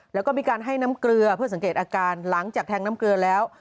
แล้วก็มีการให้น้ำเกลือเพื่อสังเกตอาการหลังจากแทงน้ำเกลือแล้ว